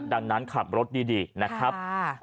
ดังนั้นขับรถดีนะครับ